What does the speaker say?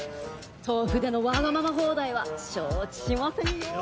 トウフでのわがまま放題は承知しませんよ。